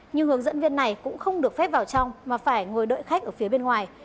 nhưng hướng dẫn viên này cũng không được phép vào trong mà phải ngồi đợi khách ở phía bên ngoài